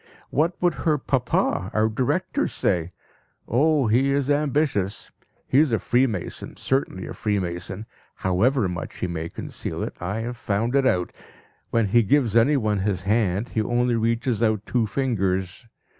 What would her papa, our director, say? Oh, he is ambitious! He is a freemason, certainly a freemason; however much he may conceal it, I have found it out. When he gives anyone his hand, he only reaches out two fingers.